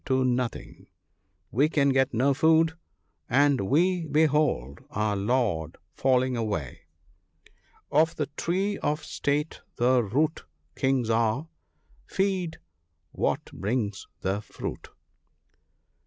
our pains are come to nothing ; we can get no food, and we behold our Lord falling away, " Of the Tree of State the root Kings are — feed what brings the fruit."